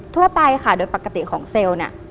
ทั่วไปค่ะโดยปกติของเซลล์เนี่ย